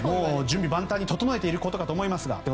準備万端に整えていることかと思いますが。